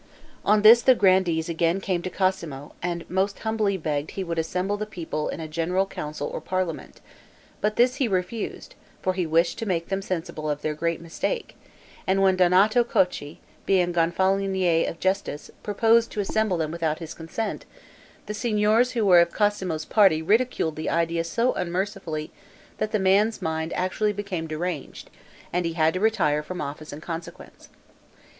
On this the grandees again came to Cosmo, and most humbly begged he would assemble the people in a general council or parliament, but this he refused, for he wished to make them sensible of their great mistake; and when Donato Cocchi, being Gonfalonier of Justice, proposed to assemble them without his consent, the Signors who were of Cosmo's party ridiculed the idea so unmercifully, that the man's mind actually became deranged, and he had to retire from office in consequence.